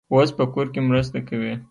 اوس په کور کې مرسته کوي.